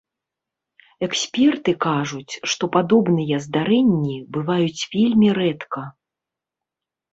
Эксперты кажуць, што падобныя здарэнні бываюць вельмі рэдка.